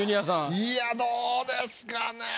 いやどうですかね。